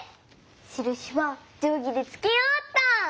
しるしはじょうぎでつけようっと。